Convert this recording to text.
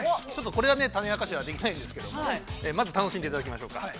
ちょっとこれは、種明かしはできないんですけれども、まずは楽しんでいただきましょうか。